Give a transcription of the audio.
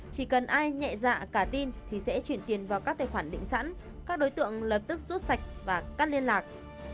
chỉ cần ai nhẹ dạ cả tin thì sẽ chuyển tiền vào các tài khoản định sẵn các đối tượng lập tức rút sạch và cắt liên lạc